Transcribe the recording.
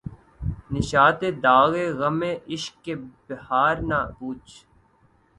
نشاطِ داغِ غمِ عشق کی بہار نہ پُوچھ